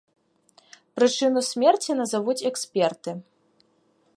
Прычыну смерці назавуць эксперты.